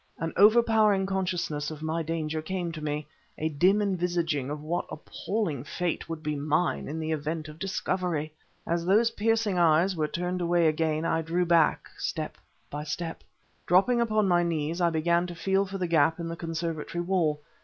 An overpowering consciousness of my danger came to me; a dim envisioning of what appalling fate would be mine in the event of discovery. As those piercing eyes were turned away again, I drew back, step my step. Dropping upon my knees, I began to feel for the gap in the conservatory wall.